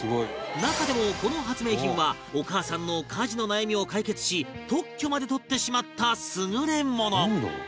中でもこの発明品はお母さんの家事の悩みを解決し特許まで取ってしまった優れもの